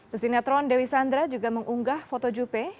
pesinetron dewi sandra juga mengunggah foto juppe